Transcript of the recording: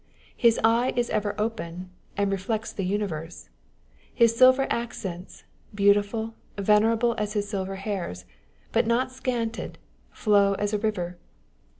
His eye is ever open, and reflects the universe : his silver accents, beautiful, vene rable as his silver hairs, but not scanted, flow as a river.